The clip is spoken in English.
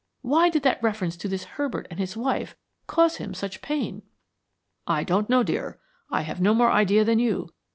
Why did that reference to this Herbert and his wife cause him such pain?" "I don't know, dear; I have no more idea than you.